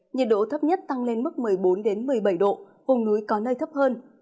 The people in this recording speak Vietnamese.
nhiệt độ thấp nhất tăng lên mức một mươi bốn một mươi bảy độ vùng núi có nơi thấp hơn